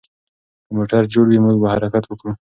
که موټر جوړ وي، موږ به حرکت وکړو.